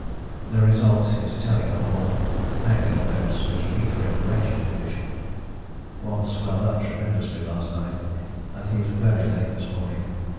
The result is telling on all, but mainly on Oates, whose feet are in a wretched condition. One swelled up tremendously last night and he is very lame this morning.